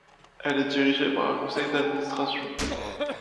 Elle est dirigée par un Conseil d'administration.